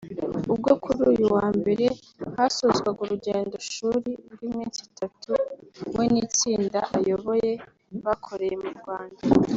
ubwo kuri uyu wa mbere hasozwaga urugendo shuri rw’iminsi itatu we n’itsinda ayoboye bakoreye mu Rwanda